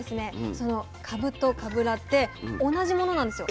そのかぶとかぶらって同じものなんですよ。